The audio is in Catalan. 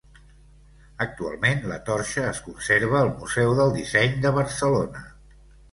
Actualment la torxa es conserva al Museu del Disseny de Barcelona.